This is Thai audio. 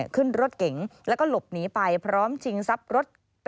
ขึ้นรถเก๋งแล้วก็หลบหนีไปพร้อมชิงทรัพย์รถ